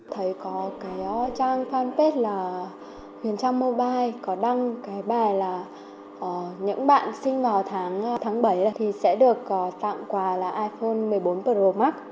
thấy có cái trang fanpage là huyền trang mobile có đăng cái bài là những bạn sinh vào tháng bảy thì sẽ được tặng quà là iphone một mươi bốn pro max